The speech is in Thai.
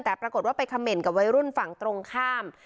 แต่ปรากฏว่าไปคำเมนต์กับวัยรุ่นฝั่งตรงข้าม